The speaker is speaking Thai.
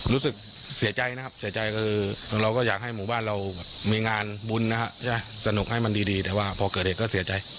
รู้สึกเสียใจนะครับเสียใจคือเราก็อยากให้หมู่บ้านเรามีงานบุญนะฮะสนุกให้มันดีแต่ว่าพอเกิดเหตุก็เสียใจ